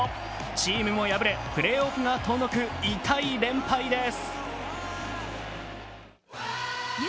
チームも敗れプレーオフが遠のく痛い連敗です。